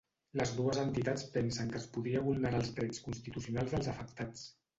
Les dues entitats pensen que es podria vulnerar els drets constitucionals dels afectats